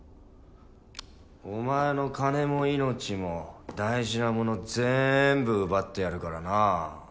お前の金も命も大事なものぜんぶ奪ってやるからな。